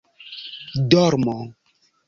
dormo